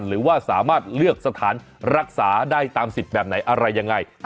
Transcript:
หรือว่าสามารถเลือกสถานรักษาได้ตามสิทธิ์แบบไหนอะไรยังไง